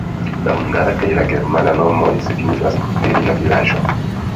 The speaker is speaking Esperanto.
La hungara kaj la germana nomoj signifas "virina vilaĝo".